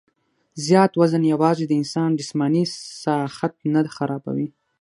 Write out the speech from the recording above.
زيات وزن يواځې د انسان جسماني ساخت نۀ خرابوي